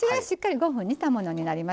５分、煮たものになります。